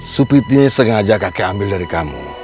supitnya ini sengaja kakek ambil dari kamu